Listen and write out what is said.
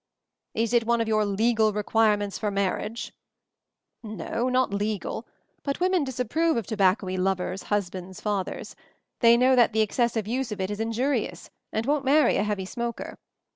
"Is it one of your legal requirements for marriage?" "No, not legal; but women disapprove of tobacco y lovers, husbands, fathers; they know that the excessive use of it is injurious, and won't marry a heavy smoker.